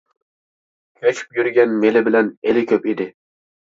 كۆچۈپ يۈرگەن مېلى بىلەن ئېلى كۆپ ئىدى.